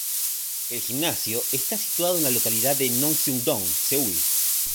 El gimnasio está situado en la localidad Nonhyun-dong, Seúl.